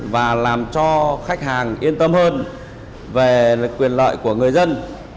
và làm cho khách hàng yên tâm hơn về quyền lợi của người dân